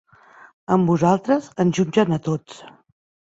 Amb vosaltres, ens jutgen a tots.